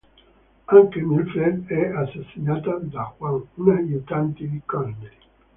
Anche Mildred è assassinata da Juan, un aiutante di Connery.